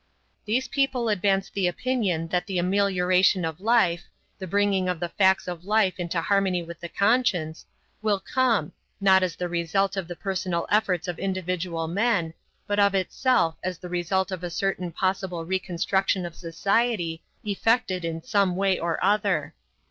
These people advance the opinion that the amelioration of life, the bringing of the facts of life into harmony with the conscience, will come, not as the result of the personal efforts of individual men, but of itself as the result of a certain possible reconstruction of society effected in some way or other.